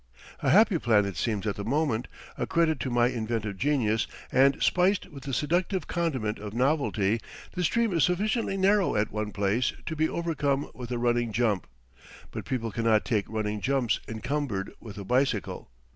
A happy plan it seems at the moment, a credit to my inventive genius, and spiced with the seductive condiment of novelty, the stream is sufficiently narrow at one place to be overcome with a running jump; but people cannot take running jumps encumbered with a bicycle.